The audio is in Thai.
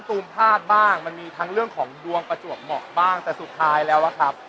ตูมก็พลาดเผาธุ์ต้นหอมมาเยอะ